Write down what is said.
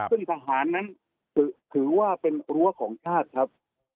ซึ่งทหารนั้นถือว่าเป็นรั้วของชาติครับ